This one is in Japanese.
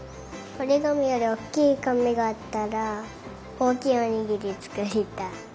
おりがみよりおおきいかみがあったらおおきいおにぎりつくりたい。